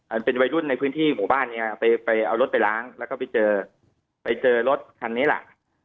เป็นวัยรุ่นในพื้นที่หมู่บ้านเนี้ยไปไปเอารถไปล้างแล้วก็ไปเจอไปเจอรถคันนี้แหละ